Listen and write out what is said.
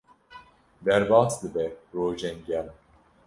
Derbas dibe rojên germ.